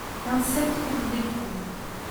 vingt-sept route d'Ecouves